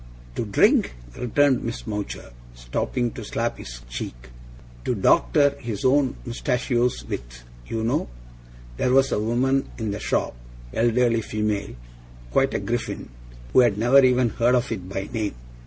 'To drink?' returned Miss Mowcher, stopping to slap his cheek. 'To doctor his own moustachios with, you know. There was a woman in the shop elderly female quite a Griffin who had never even heard of it by name.